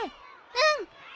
うん！